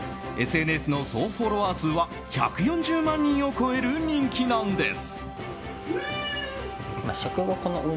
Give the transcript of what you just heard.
ＳＮＳの総フォロワー数は１４０万人を超える人気なんです。